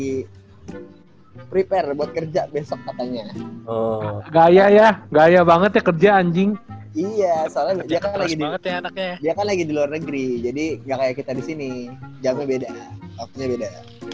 iya soalnya dia kan lagi di luar negeri jadi gak kayak kita disini jamnya beda waktunya beda